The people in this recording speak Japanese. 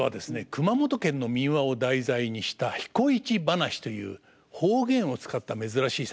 熊本県の民話を題材にした「彦市ばなし」という方言を使った珍しい作品です。